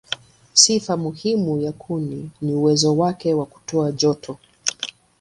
Sifa muhimu ya kuni ni uwezo wake wa kutoa joto.